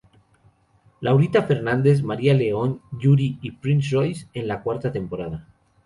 Laurita Fernández, María León, Yuri y Prince Royce en la cuarta temporada.